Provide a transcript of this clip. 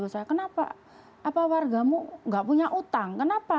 saya bilang kenapa apa wargamu enggak punya utang kenapa